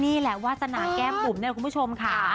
นี่แหละวาสนาแก้มบุ๋มเนี่ยคุณผู้ชมค่ะ